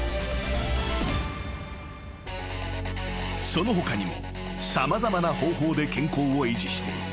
［その他にも様々な方法で健康を維持している］